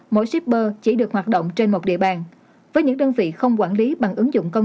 mỗi shipper chỉ được hoạt động trên một địa bàn với những đơn vị không quản lý bằng ứng dụng công